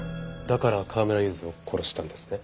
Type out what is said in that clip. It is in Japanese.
だから川村ゆずを殺したんですね。